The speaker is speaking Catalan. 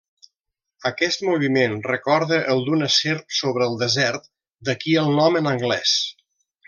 Aquest moviment recorda el d'una serp sobre el desert, d'aquí el nom en anglès.